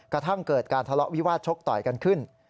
กระทั่งเกิดการทะเลาะวิวาสชกต่อยกันขึ้น